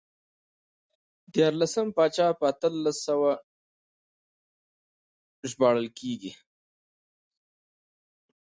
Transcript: دیارلسم پاچا په اتلس سوی ژباړل کېږي.